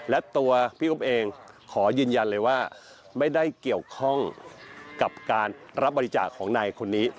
และตัวพี่อุ๊บเองขอยืนยันเลยว่าไม่ได้เกี่ยวข้องกับการรับบริจาคของนายคนนี้